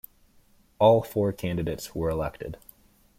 All four candidates were elected.